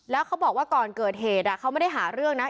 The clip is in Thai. แล้วเขาบอกว่าก่อนเกิดเหตุเขาไม่ได้หาเรื่องนะ